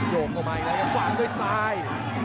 โยคเข้ามาอีกแล้วก้วางไปสาย